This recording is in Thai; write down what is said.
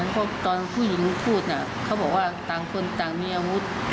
เพราะตอนผู้หญิงพูดเขาบอกว่าต่างคนต่างมีอาวุธ